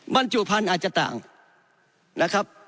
บรรจุพันธุ์อาจจะต่างนะครับ